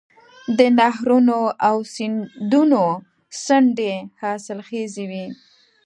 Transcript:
د نهرونو او سیندونو څنډې حاصلخیزې وي.